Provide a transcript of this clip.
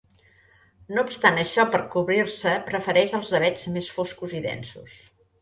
No obstant això, per a cobrir-se prefereix els avets més foscos i densos.